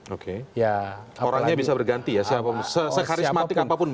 orangnya bisa berganti ya seharismatik apapun